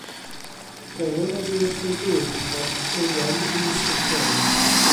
Gwelwn oddi wrth eu duwch fod ywen ymysg y coed.